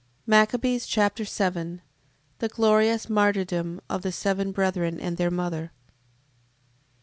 2 Machabees Chapter 7 The glorious martyrdom of the seven brethren and their mother.